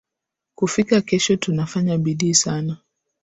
kufikia kesho tunafanya bidii sana